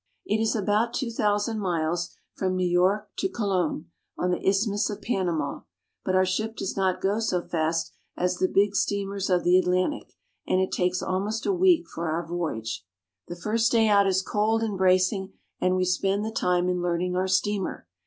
It is about two thousand miles from New York to Colon', on the Isthmus of Panama; but our ship does not go so fast as the big steamers of the Atlantic, and it takes almost a week for our voyage. H ATLANTIC OCEAN. The first day out is cold and bracing, and we spend the time in learning our steamer.